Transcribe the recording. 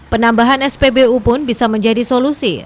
penambahan spbu pun bisa menjadi solusi